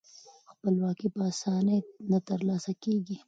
خپلواکي په اسانۍ نه ترلاسه کیږي.